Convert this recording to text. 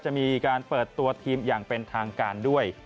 จะมีการเปิดตัวทีมอย่างเป็นทางการด้วย